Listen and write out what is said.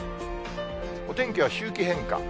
お天気は周期変化。